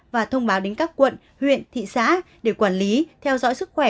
và thông báo đến các quận huyện thị xã để quản lý theo dõi sức khỏe